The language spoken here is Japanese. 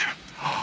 あ！